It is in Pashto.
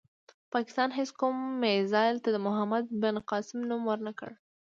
خو پاکستان هېڅ کوم میزایل ته د محمد بن قاسم نوم ور نه کړ.